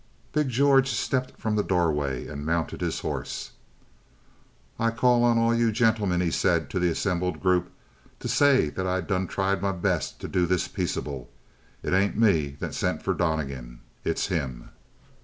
Big George stepped from the doorway and mounted his horse. "I call on all you gen'lemen," he said to the assembled group, "to say that I done tried my best to do this peaceable. It ain't me that's sent for Donnegan; it's him!"